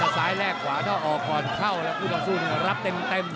ซ้ายแลกขวาต้องออกก่อนเข้าและคุณสู้นึงจะรับเต็ม